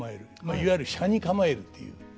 いわゆる斜に構えるという。